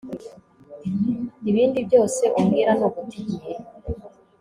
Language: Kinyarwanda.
ibindi byose umbwira ni uguta igihe